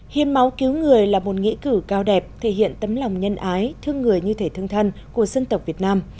hiến máu cứu người là một nghĩa cử cao đẹp thể hiện tấm lòng nhân ái thương người như thể thương thân của dân tộc việt nam